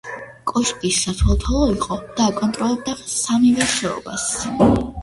კოშკი სათვალთვალო იყო და აკონტროლებდა სამივე ხეობას.